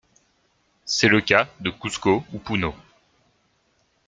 C'est le cas de Cuzco ou Puno.